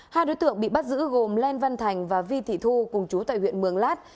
hai đối tượng bị bắt giữ gồm lê văn thành và vi thị thu cùng chú tại huyện mường lát